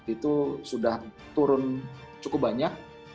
itu sudah turun cukup banyak